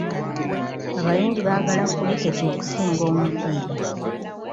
Abayindi baagala kuliketi okusinga omupiira.